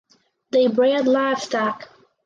They bred livestock.